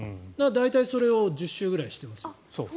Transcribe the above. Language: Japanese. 大体、それを１０周くらいしてます。